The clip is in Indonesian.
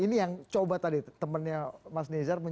ini yang coba tadi temannya mas nezar